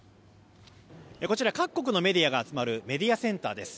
こちら各国のメディアが集まるメディアセンターです。